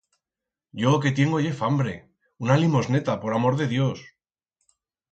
Yo o que tiengo ye fambre... Una limosneta, por amor de Dios!